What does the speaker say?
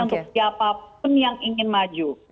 untuk siapapun yang ingin maju